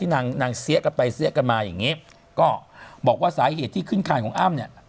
นางนางเสี้ยกันไปเสี้ยกันมาอย่างนี้ก็บอกว่าสาเหตุที่ขึ้นคานของอ้ำเนี่ย